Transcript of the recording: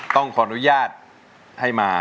ต้องขออนุญาตให้มา